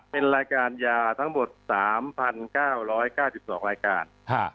เป็นรายการยาทั้งหมด๓๙๙๒รายการ